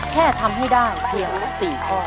แค่ทำให้ได้เพียง๔ข้อ